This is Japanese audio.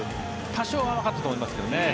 多少甘かったと思いますけどね。